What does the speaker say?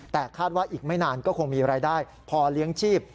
แต่คาดว่าอีกไม่นานก็คงมีรายได้พอเลี้ยงชีพ